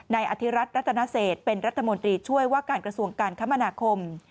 อธิรัฐรัตนเศษเป็นรัฐมนตรีช่วยว่าการกระทรวงการคมนาคม